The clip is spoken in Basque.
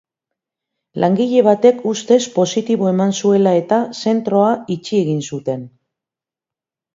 Langile batek ustez positibo eman zuela eta, zentroa itxi egin zuten.